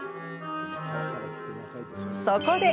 そこで！